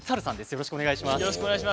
よろしくお願いします。